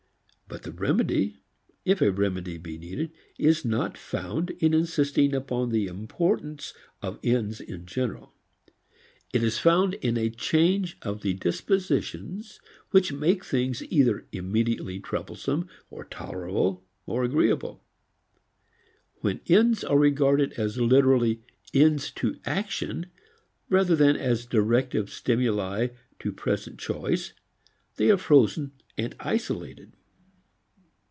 But the remedy, if a remedy be needed, is not found in insisting upon the importance of ends in general. It is found in a change of the dispositions which make things either immediately troublesome or tolerable or agreeable. When ends are regarded as literally ends to action rather than as directive stimuli to present choice they are frozen and isolated.